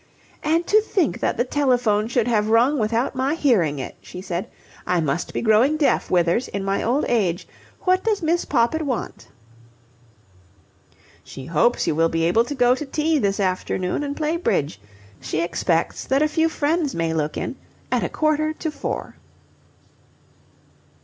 "And to think that the telephone should have rung without my hearing it," she said. "I must be growing deaf, Withers, in my old age. What does Miss Poppit want?" "She hopes you will be able to go to tea this afternoon and play bridge. She expects that a few friends may look in at a quarter to four."